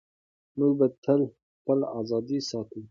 موږ به تل خپله ازادي ساتو.